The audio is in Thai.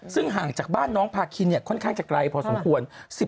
ซึ่งห่างจากบ้านน้องพาคินค่อนข้างจะไกลพอสมควร